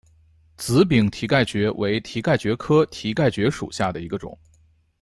紫柄蹄盖蕨为蹄盖蕨科蹄盖蕨属下的一个种。